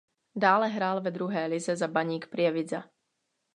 Dále hrál ve druhé lize za Baník Prievidza.